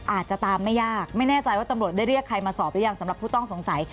อาจจะตามไม่ยากไม่แน่ใจว่าตำรวจได้เรียกใครมาสอบหรือยังสำหรับผู้ต้องสงสัย